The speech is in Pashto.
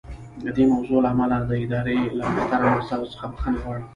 د دې موضوع له امله د ادارې له محترمو استازو څخه بښنه غواړم.